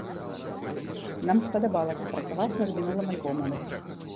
Нам спадабалася працаваць над мінулым альбомам.